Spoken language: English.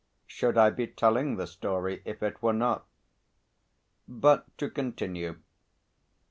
Should I be telling the story if it were not? But to continue.